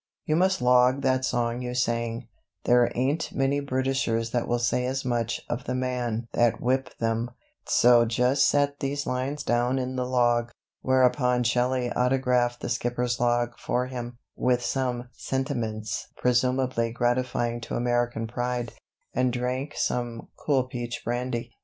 You must log that song you sang; there ain't many Britishers that will say as much of the man that whipped them; so just set these lines down in the log!" Whereupon Shelley autographed the skipper's log for him, with some sentiments presumably gratifying to American pride, and drank some "cool peach brandy."